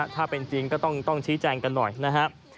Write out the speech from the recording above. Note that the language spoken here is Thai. ถ้าเป็นจริงก็ต้องชี้แจงกันหน่อยนะครับ